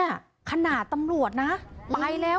ขนาดตำรวจนะไปแล้ว